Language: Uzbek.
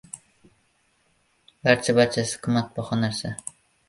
Barcha-barchasi qimmatbaho narsa.